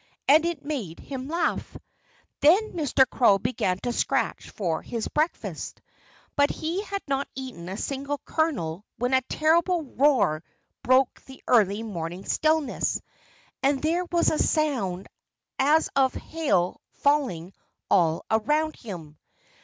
And it made him laugh. Then Mr. Crow began to scratch for his breakfast. But he had not eaten a single kernel when a terrible roar broke the early morning stillness. And there was a sound as of hail falling all around him.